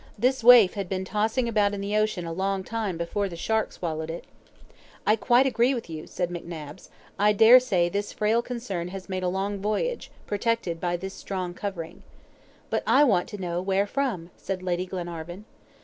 This waif had been tossing about in the ocean a long time before the shark swallowed it." "I quite agree with you," said McNabbs. "I dare say this frail concern has made a long voyage, protected by this strong covering." "But I want to know where from?" said Lady Glenarvan.